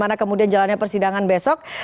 bagaimana kemudian jalannya persidangan besok